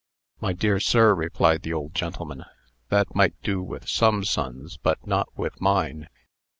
"My dear sir," replied the old gentleman, "that might do with some sons, but not with mine.